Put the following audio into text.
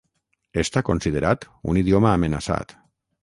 Està considerat un idioma amenaçat.